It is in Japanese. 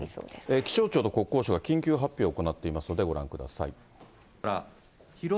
気象庁と国交省が緊急発表を行っていますので、ご覧ください。